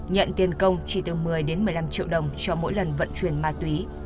nhận tiền công chỉ từ một mươi đến một mươi năm triệu đồng cho mỗi lần vận chuyển ma túy